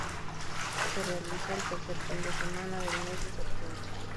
Se realiza el tercer fin de semana del mes de septiembre.